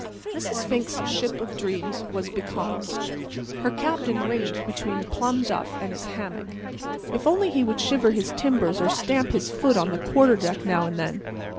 Mrs. Fink's ship of dreams was becalmed. Her captain ranged between plum duff and his hammock. If only he would shiver his timbers or stamp his foot on the quarter deck now and then!